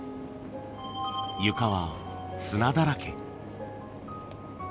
床は砂だらけ。